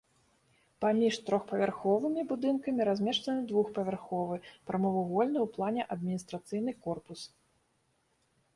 Паміж трохпавярховымі будынкамі размешчаны двухпавярховы прамавугольны ў плане адміністрацыйны корпус.